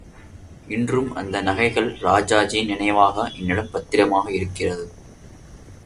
இன்றும் அந்த நகைகள் ராஜாஜியின்நினைவாக என்னிடம் பத்திரமாக இருக்கிறது.